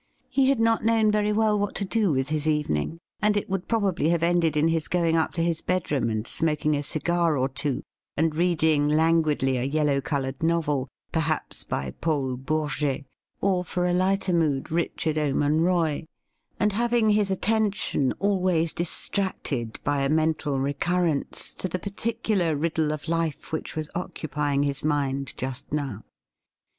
He had not known very well what to do with his evening, and it would probably have ended in his going up to his bedroom and smoking a cigar or two, and read ing languidly a yellow coloured novel, perhaps by Paul Bourget, or for a lighter mood Richard O'Monroy, and having his attention always distracted by a mental re currence to the particular riddle of life which was occupy ing his mind just now.